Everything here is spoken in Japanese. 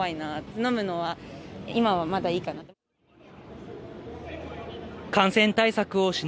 飲むのは、今はまだいいかな。